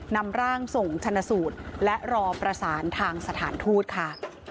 นำร่างส่งชนะสูตรและรอประสานทางสถานทูตค่ะ